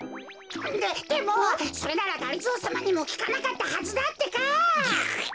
ででもそれならがりぞーさまにもきかなかったはずだってか！